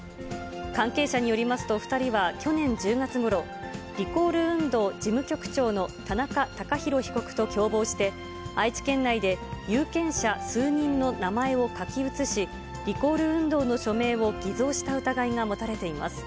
関係者によりますと、２人は去年１０月ごろ、リコール運動事務局長の田中孝博被告と共謀して、愛知県内で有権者数人の名前を書き写し、リコール運動の署名を偽造した疑いが持たれています。